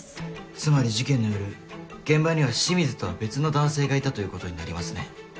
つまり事件の夜現場には清水とは別の男性がいたということになりますね。